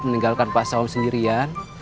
meninggalkan pak sawom sendirian